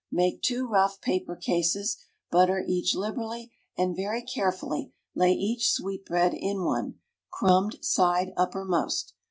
Make two rough paper cases, butter each liberally, and very carefully lay each sweetbread in one, crumbed side uppermost.